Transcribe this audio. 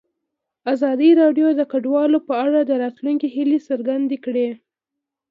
ازادي راډیو د کډوال په اړه د راتلونکي هیلې څرګندې کړې.